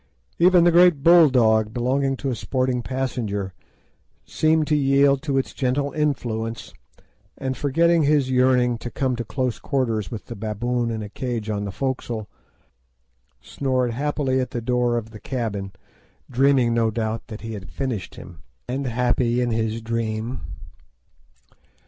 Even the great bulldog, belonging to a sporting passenger, seemed to yield to its gentle influences, and forgetting his yearning to come to close quarters with the baboon in a cage on the foc'sle, snored happily at the door of the cabin, dreaming no doubt that he had finished him, and happy in his dream.